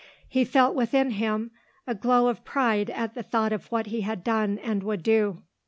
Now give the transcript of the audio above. He felt within him a glow of pride at the thought of what he had done and would do.